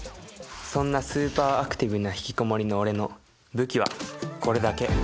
そんなスーパーアクティブなひきこもりの俺の武器はこれだけ